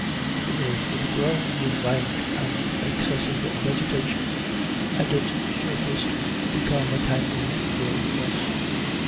The earth would groan with rank and excessive vegetation, and its surface become a tangled wilderness.